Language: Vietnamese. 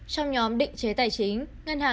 trong nhóm định chế tài chính